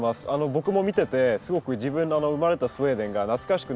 僕も見ててすごく自分の生まれたスウェーデンが懐かしくなりました。